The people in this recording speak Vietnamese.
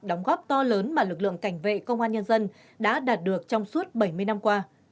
đóng góp to lớn mà lực lượng cảnh vệ công an nhân dân đã đạt được trong suốt bảy mươi năm qua